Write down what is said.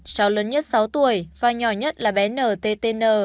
cháu lớn nhất sáu tuổi và nhỏ nhất là bé nttn